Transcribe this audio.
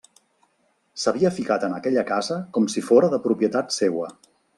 S'havia ficat en aquella casa com si fóra de propietat seua.